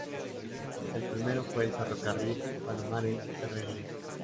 El primero fue el Ferrocarril Palomares-Herrerías.